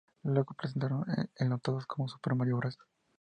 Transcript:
Luego presentaron enlatados como "Super Mario Bros.